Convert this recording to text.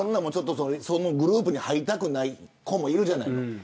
そのグループに入りたくない子もいるじゃない。